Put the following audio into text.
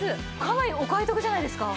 かなりお買い得じゃないですか？